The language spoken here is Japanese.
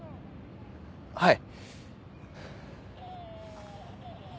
はい。